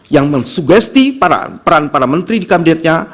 yang mensuggesti peran para menteri dikabinet